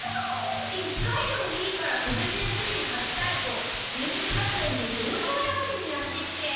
一回でもいいから戸部先生に勝ちたいと忍術学園に道場やぶりにやって来て。